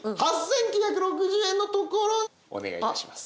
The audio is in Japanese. お願い致します。